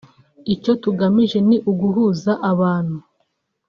Icyo tugamije ni uguhuza abantu